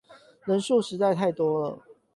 人數實在是太多了